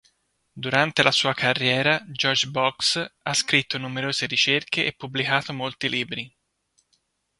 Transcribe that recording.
Durante la sua carriera, George Box, ha scritto numerose ricerche e pubblicato molti libri.